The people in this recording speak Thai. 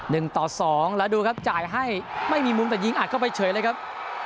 หนึ่งต่อสองแล้วดูครับจ่ายให้ไม่มีมุมแต่ยิงอัดเข้าไปเฉยเลยครับ